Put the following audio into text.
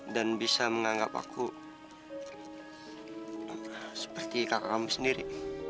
dan bisa menganggap aku seperti kakak kamu sendiri